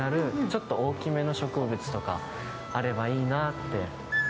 ちょっと大きめの植物とかあればいいなあって。